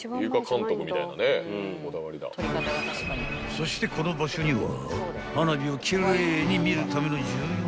［そしてこの場所には］